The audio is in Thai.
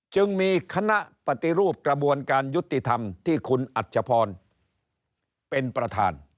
จึงมีคณะปฏิรูปกระบวนการยุติธรรมที่คุณอัชพรเป็นประธาน